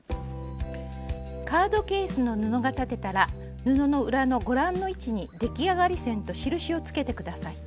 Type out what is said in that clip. カードケースの布が裁てたら布の裏のご覧の位置に出来上がり線と印をつけて下さい。